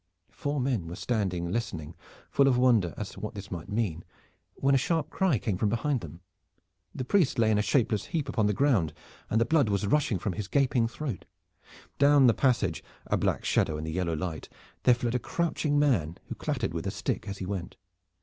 The four men were standing listening, full of wonder as to what this might mean, when a sharp cry came from behind them. The priest lay in a shapeless heap upon the ground, and the blood was rushing from his gaping throat. Down the passage, a black shadow in the yellow light, there fled a crouching man, who clattered with a stick as he went.